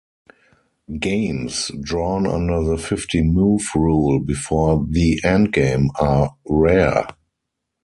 Games drawn under the fifty-move rule before the endgame are rare.